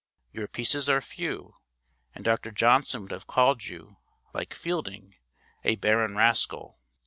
Your pieces are few; and Dr. Johnson would have called you, like Fielding, 'a barren rascal.'